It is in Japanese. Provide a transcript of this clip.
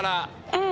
うん。